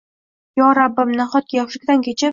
Yo rabbim, nahotki yoshlikdan kechib